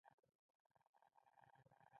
تنور د زړو کورونو ښکلا ده